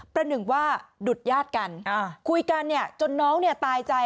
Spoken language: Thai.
ประหนึ่งว่าดุดญาติกันคุยกันเนี่ยจนน้องเนี่ยตายใจ